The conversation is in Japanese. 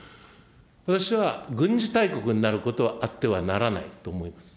私は軍事大国になることはあってはならないと思います。